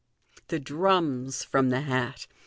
The Drums from the Hat.